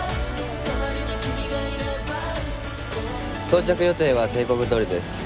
到着予定は定刻どおりです。